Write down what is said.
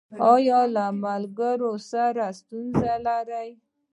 ایا له ملګرو سره ستونزې لرئ؟